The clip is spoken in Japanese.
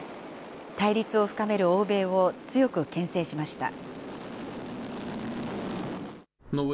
対立を深める欧米を強くけん制しました。